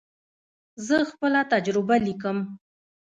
زه خپله تجربه لیکم.